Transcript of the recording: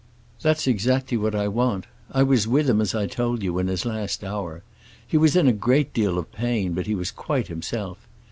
"That's exactly what I want. I was with him, as I told you, in his last hour. He was in a great deal of pain, but he was quite himself.